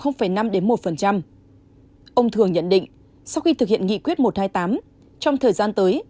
ông thường nhận định sau khi thực hiện nghị quyết một trăm hai mươi tám trong thời gian tới